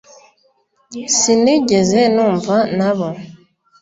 sinigeze numva nabo